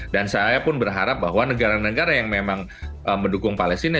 dan saya pun berharap bahwa negara negara yang memang mendukung palestina